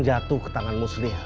satu paket pegang jalanan